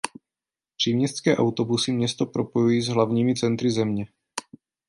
Příměstské autobusy město propojují s hlavními centry země.